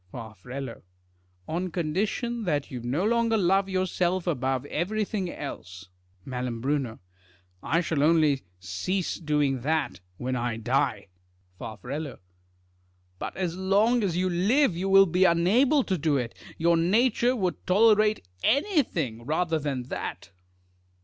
Far. On condition that you no longer love yourself above everything else. 3fal. I shall only cease doing that when I die. Far. But as long as you live you will be unable to do it. Your nature would tolerate anything rather than that.